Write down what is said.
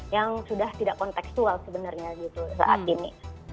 yang sudah tidak konteksual sebenarnya gitu saat ini